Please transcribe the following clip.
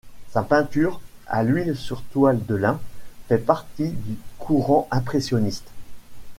Sa peinture, à l'huile sur toile de lin, fait partie du courant impressionniste.